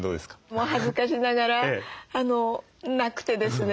もう恥ずかしながらなくてですね。